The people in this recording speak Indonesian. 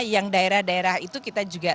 yang daerah daerah itu kita juga